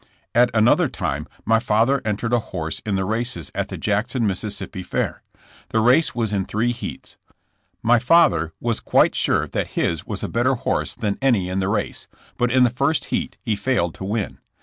At another time my father entered a horse in the races at the Jackson, Miss., fair. The race was in three heats. My father was quite sure that his was a better horse than any in the race, but in the first heat he failed to win.